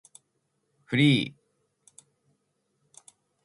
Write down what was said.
フリー